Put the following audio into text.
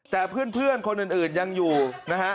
แต่เพื่อนคนอื่นยังอยู่นะฮะ